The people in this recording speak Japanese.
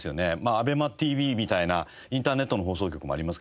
ＡｂｅｍａＴＶみたいなインターネットの放送局もあります